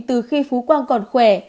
từ khi phú quang còn khỏe